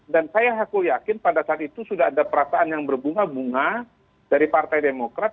dan saya haku yakin pada saat itu sudah ada perasaan yang berbunga bunga dari partai demokrat